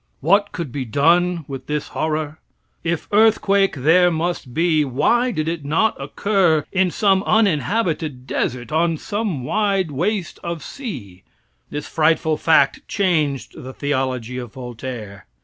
What could be done with this horror? If earthquake there must be, why did it not occur in some uninhabited desert on some wide waste of sea? This frightful fact changed the theology of Voltaire.